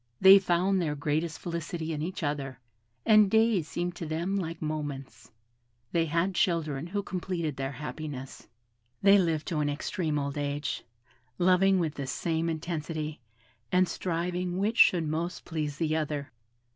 They found their greatest felicity in each other: and days seemed to them like moments. They had children who completed their happiness. They lived to an extreme old age; loving with the same intensity, and striving which should most please the other.